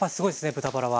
豚バラは。